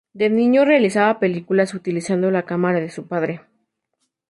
De niño realizaba películas utilizando la cámara de su padre.